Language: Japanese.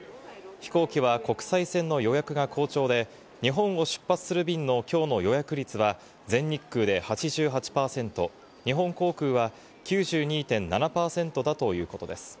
飛行機は国際線の予約が好調で、日本を出発する便のきょうの予約率は、全日空で８８％、日本航空は９２．７％だということです。